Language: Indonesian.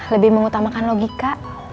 lebih mengutamakan logika